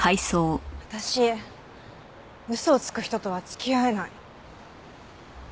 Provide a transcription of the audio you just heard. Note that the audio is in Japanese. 私嘘をつく人とは付き合えない。